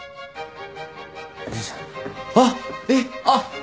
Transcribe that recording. あっ！